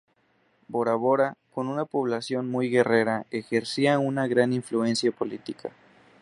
Bora Bora, con una población muy guerrera, ejercía una gran influencia política.